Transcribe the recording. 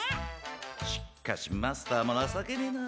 しっかしマスターもなさけねえな。